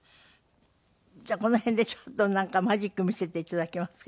じゃあこの辺でちょっとマジック見せて頂けますか？